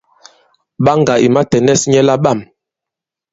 Ɓaŋgà ì matɛ̀nɛs nyɛ laɓâm.